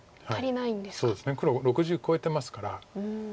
そうですね黒６０超えてますから。